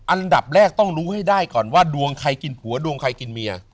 อันดับแรกต้องรู้ให้ได้ก่อนว่าดวงใครกินผัวดวงใครกินเมีย